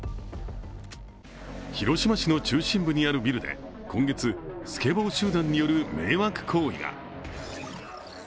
広島市の中心部にあるビルで今月、スケボー集団による迷惑行為が。